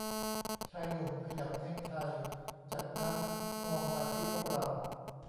ชายหนุ่มขยับเนคไท จากนั้นมองมาที่พวกเรา